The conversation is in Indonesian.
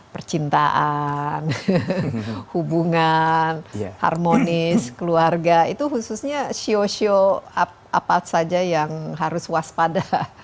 percintaan hubungan harmonis keluarga itu khususnya sio sio apa saja yang harus waspada